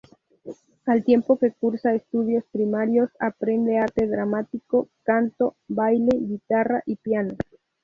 Al tiempo que cursa estudios primarios, aprende Arte Dramático, canto, baile, guitarra y piano.